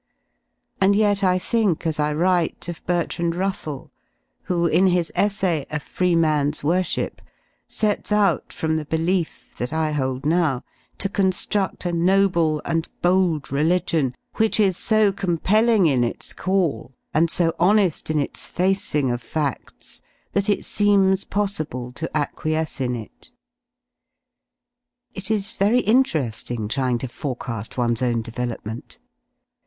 And yet I think, as I write, of Bertrand Russell, who in his essay, "A Free Man's Worship," sets out from the belief, that I hold now, to con^rudl a noble and bold religion, which is so compelling in its call and so honeft in its facing of fads that it seems possible to acquiesce in it. It is very intere^ing, trying to foreca^ one's own development.